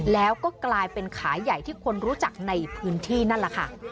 แล้วก็กลายเป็นขายใหญ่ที่คนรู้จักในพื้นที่นั่นแหละค่ะ